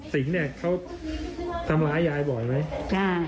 สิบเนี่ยเค้าทำร้ายยายบ่อยไหมจ้า